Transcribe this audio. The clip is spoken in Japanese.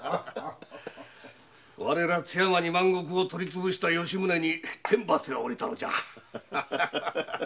われら津山二万石を取り潰した吉宗に天罰が下ったのじゃ。